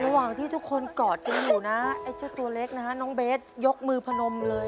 ระหว่างที่ทุกคนกอดกินอยู่นะไอ้เจ้าตัวเล็กนะฮะน้องเบสยกมือพนมเลย